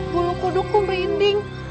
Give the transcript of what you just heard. buluk kudukku merinding